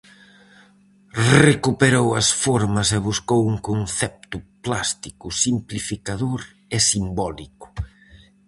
Recuperou as formas e buscou un concepto plástico simplificador e simbólico.